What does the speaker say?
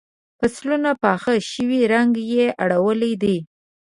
فصلونه پاخه شوي رنګ یې اړولی دی.